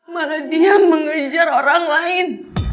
malah dia mengejar orang lain